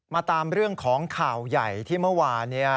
มาตามเรื่องของข่าวใหญ่ที่เมื่อวาน